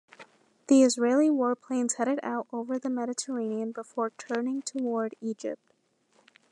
The Israeli warplanes headed out over the Mediterranean before turning toward Egypt.